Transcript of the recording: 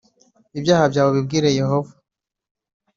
Ibyaha byawe ubibwire Yehova.